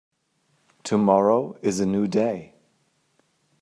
Tomorrow is a new day.